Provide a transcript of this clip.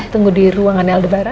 tunggu di ruangan aldebaran